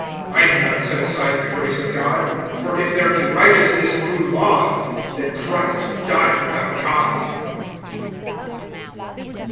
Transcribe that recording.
(21)I do not set aside the grace of God; for if there be righteousness through law, then Christ died without cause.